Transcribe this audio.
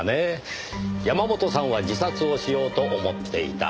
山本さんは自殺をしようと思っていた。